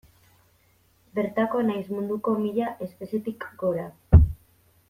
Bertako nahiz munduko mila espezietik gora.